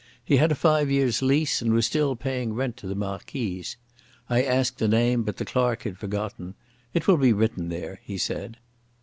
He had a five years' lease, and was still paying rent to the Marquise. I asked the name, but the clerk had forgotten. "It will be written there," he said.